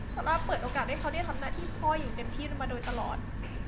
ซาร่าเปิดโอกาสให้เขาได้ทำหน้าที่พ่ออย่างเต็มที่มาโดยตลอด